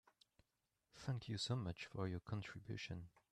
Thank you so much for your contribution.